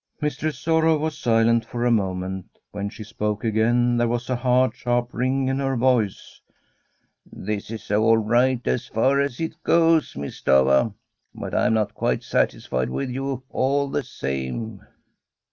Mistress Sorrow was silent for a moment; when she spoke again there was a hard, sharp ring in her voice : 'This is all right as far as it goes, Miss Stafva ; but I am not quite satisfied with you, all the same.'